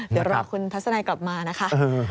เดี๋ยวรอคุณทัศนัยกลับมานะคะ